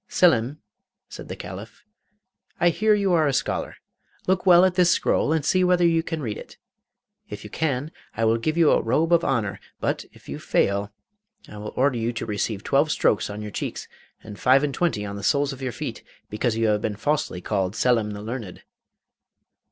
'Selim,' said the Caliph, 'I hear you are a scholar. Look well at this scroll and see whether you can read it. If you can, I will give you a robe of honour; but if you fail, I will order you to receive twelve strokes on your cheeks, and five and twenty on the soles of your feet, because you have been falsely called Selim the learned.